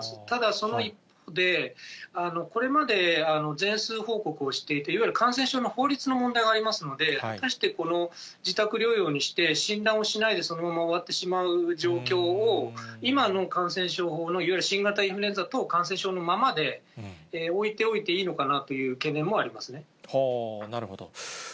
ただ、その一方で、これまで全数報告をしていて、いわゆる感染症の法律の問題がありますので、果たして、この自宅療養にして、診断をしないでそのまま終わってしまう状況を、今の感染症法の、いわゆる新型インフルエンザ等感染症のままで置いておいていいのなるほど。